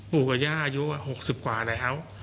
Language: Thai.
ปู่กับย่าอายุ๖๐กว่าแล้ว